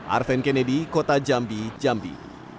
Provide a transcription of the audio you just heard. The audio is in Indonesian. arven kennedy kota jambi jambi